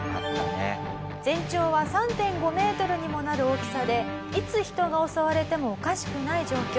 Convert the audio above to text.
全長は３．５メートルにもなる大きさでいつ人が襲われてもおかしくない状況。